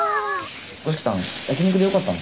五色さん焼き肉でよかったの？